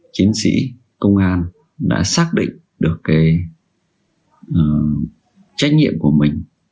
chiến sĩ công an đã xác định được trách nhiệm của mình